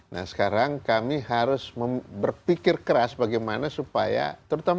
nah sekarang kami harus berpikir keras bagaimana supaya terutama